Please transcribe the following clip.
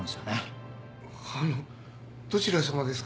あのどちらさまですか？